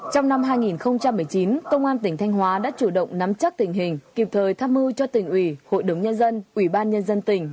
trong năm hai nghìn một mươi chín công an tỉnh thanh hóa đã chủ động nắm chắc tình hình kịp thời tham mưu cho tỉnh ủy hội đồng nhân dân ủy ban nhân dân tỉnh